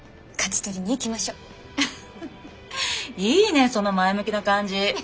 いいねその前向きな感じ。